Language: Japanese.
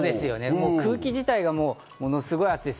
空気自体がものすごく暑い。